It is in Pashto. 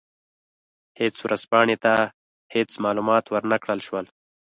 هېڅ ورځپاڼې ته هېڅ معلومات ور نه کړل شول.